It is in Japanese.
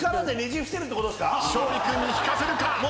勝利君に引かせるか。